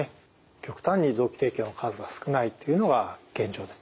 極端に臓器提供の数が少ないっていうのが現状です。